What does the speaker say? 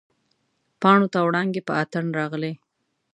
پاڼو ته وړانګې په اتڼ راغلي